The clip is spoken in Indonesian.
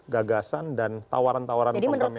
gagasan dan tawaran tawaran